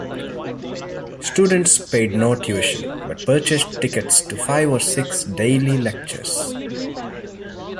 Students paid no tuition, but purchased tickets to five or six daily lectures.